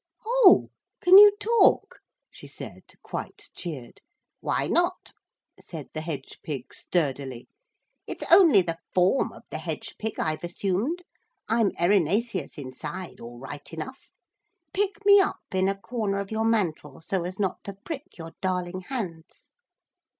'Oh, can you talk?' she said, quite cheered. 'Why not?' said the hedge pig sturdily; 'it's only the form of the hedge pig I've assumed. I'm Erinaceus inside, all right enough. Pick me up in a corner of your mantle so as not to prick your darling hands.'